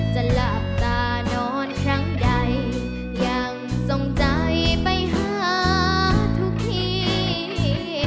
จะหลับตานอนครั้งใดยังทรงใจไปหาทุกที